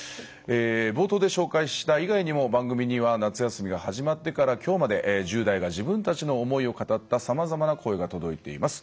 冒頭で紹介した以外にも番組には夏休みが始まってから今日まで１０代が自分たちの思いを語ったさまざまな声が届いています。